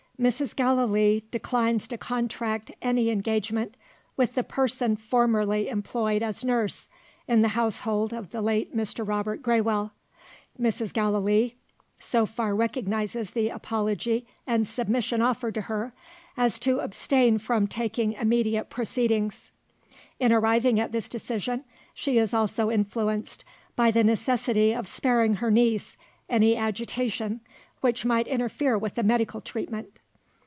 "Mrs. Gallilee declines to contract any engagement with the person formerly employed as nurse, in the household of the late Mr. Robert Graywell. Mrs. Gallilee so far recognises the apology and submission offered to her, as to abstain from taking immediate proceedings. In arriving at this decision, she is also influenced by the necessity of sparing her niece any agitation which might interfere with the medical treatment.